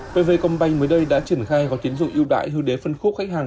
bv combine mới đây đã triển khai gói tiến dụng yêu đại hưu đế phân khúc khách hàng